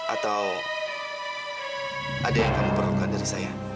atau ada yang kamu perlukan dari saya